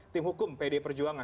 tim hukum pdi perjuangan